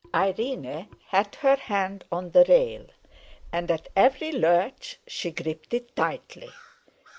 Irene had her hand on the rail, and at every lurch she gripped it tightly.